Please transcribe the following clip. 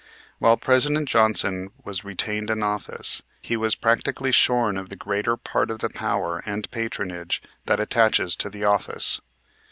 While President Johnson was retained in office he was practically shorn of the greater part of the power and patronage that attaches to the office.